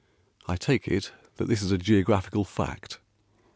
I take it That this is a geographical fact.